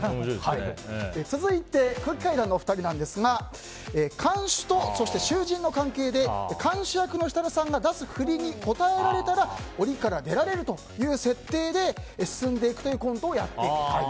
続いて、空気階段のお二人なんですが看守とそして囚人の関係で看守役の設楽さんが出す振りに答えられたら檻から出られるという設定で進んでいくというコントをやってみたいと。